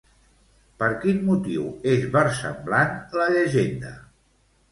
Per quin motiu és versemblant la llegenda?